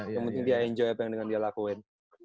yang penting dia enjoy apa yang dengan dia lakuin